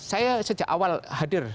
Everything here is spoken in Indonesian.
saya sejak awal hadir